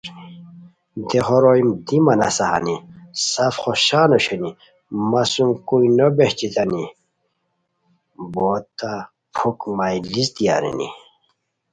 دیہو روئے دی مہ نسہ ہانی سف خوشان اوشونی مہ سُم کوئی نو بیچئیتانی بوتہ پُھک میلیس دی ارینی